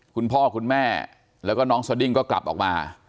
คุณพ่อคุณแม่แล้วก็น้องสดิ้งก็กลับออกมา